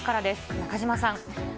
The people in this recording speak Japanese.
中島さん。